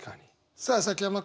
さあ崎山君。